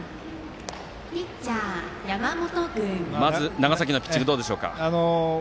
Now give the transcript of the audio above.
長崎のピッチングはどうでしたか？